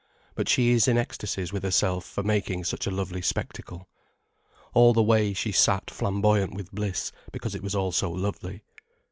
But she is in ecstasies with herself for making such a lovely spectacle. All the way she sat flamboyant with bliss because it was all so lovely.